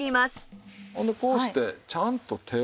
ほんでこうしてちゃんと手を。